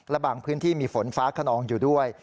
และบางพื้นที่มีฝนฟ้าขนองอยู่ด้วย